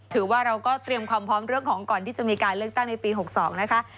ถือว่าเราก็เตรียมความพร้อมเรื่องของก่อนที่จะมีการเลือกตั้งในปี๖๒นะคะ